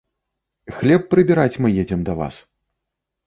Хлеб прыбіраць мы едзем да вас.